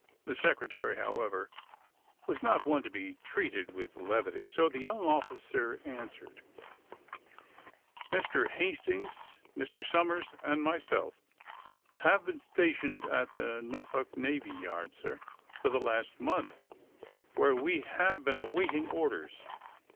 The Secre tary, however, was not one to be treated with levity, so the young officer answered: *^Mr. Hastings, Mr. Somers and myself have been stationed at the Norfolk Navy Yard, sir, for the last month, where we have been awaiting orders.